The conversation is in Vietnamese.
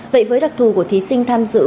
vậy với đặc thù của thí sinh tham dự